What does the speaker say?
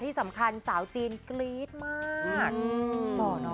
ที่สำคัญสาวจีนกรีดมาก